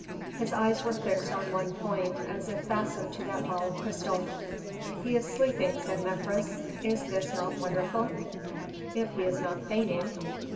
His eyes were fixed on one point, as if fastened to that ball of crystal. "He is sleeping," said Mefres. "Is this not wonderful?" "If he is not feigning."